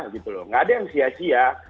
tidak ada yang sia sia